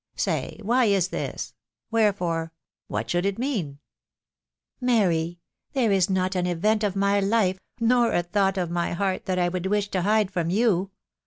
Say why is this ?»••. wherefore .... what should it mean ?"" Mary !..... There, is not an event of my life, nor a thought of my heart, that I would wish to hide from you